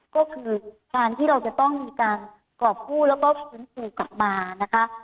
ก็คือการที่เราจะต้องมีการกรอบกู้แล้วก็ฟื้นฟูกลับมานะคะ